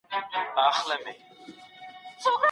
حکومتونه باید د رفاه لپاره نوي پلانونه جوړ کړي.